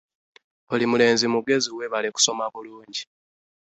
Oli mulenzi mugezi! Weebale kusoma bulungi.